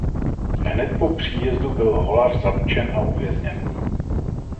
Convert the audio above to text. Hned po příjezdu byl Hollar zatčen a uvězněn.